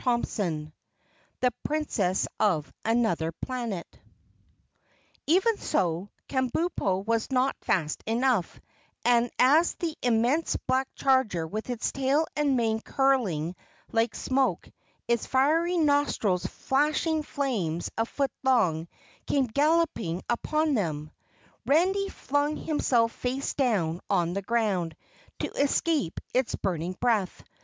CHAPTER 7 The Princess of Anuther Planet Even so, Kabumpo was not fast enough, and as the immense black charger with its tail and mane curling like smoke, its fiery nostrils flashing flames a foot long, came galloping upon them, Randy flung himself face down on the ground to escape its burning breath.